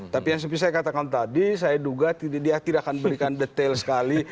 tapi yang seperti saya katakan tadi saya duga dia tidak akan berikan detail sekali